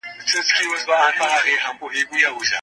آیا انټرنیټ د کلتورونو ترمنځ واټن نه کموي؟